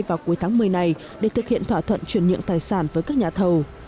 vào cuối tháng một mươi này để thực hiện thỏa thuận chuyển nhượng tài sản với các nhà thầu